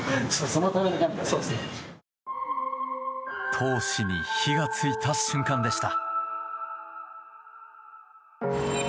闘志に火が付いた瞬間でした。